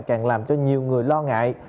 càng làm cho nhiều người lo ngại